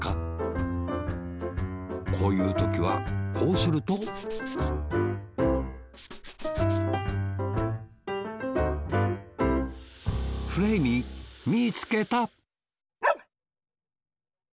こういうときはこうするとフレーミーみつけたワン！